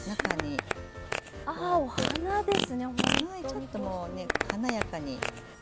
ちょっともうね華やかにグッと。